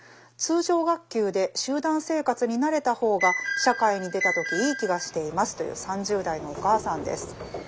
通常学級で集団生活に慣れた方が社会に出た時いい気がしています」という３０代のお母さんです。